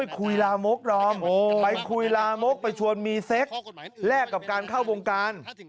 ก่อนมีเซ็กแลกกับการเข้าวงการ